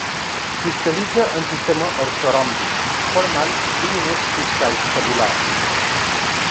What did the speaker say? Cristal·litza en el sistema ortoròmbic, formant diminuts cristalls tabulars.